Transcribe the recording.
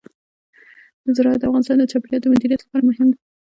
زراعت د افغانستان د چاپیریال د مدیریت لپاره مهم دي.